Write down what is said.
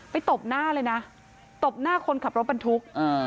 ตบหน้าเลยนะตบหน้าคนขับรถบรรทุกอ่า